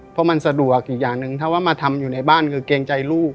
เพราะมันสะดวกอีกอย่างหนึ่งถ้าว่ามาทำอยู่ในบ้านคือเกรงใจลูก